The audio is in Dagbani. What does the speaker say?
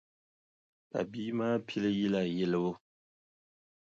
Ka bia maa pili yila yilibu.